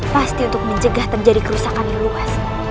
pasti untuk mencegah terjadi kerusakan yang luas